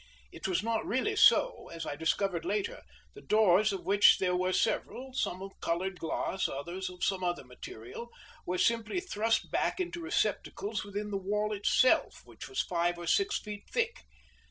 It was not really so, as I discovered later; the doors, of which there were several, some of colored glass, others of some other material, were simply thrust back into receptacles within the wall itself, which was five or six feet thick.